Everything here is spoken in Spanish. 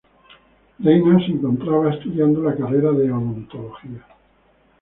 Reyna se encontraba estudiando la carrera de odontología.